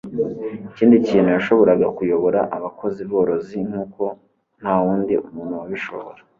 ikindi kintu. yashoboraga kuyobora abakozi-borozi nkuko ntawundi muntu wabishobora